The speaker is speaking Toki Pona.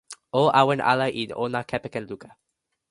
o awen ala e ona kepeken luka.